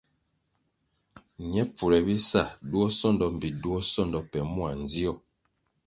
Ñe pfule bisa duo sondo mbpi duo sondo pe mua ndzio.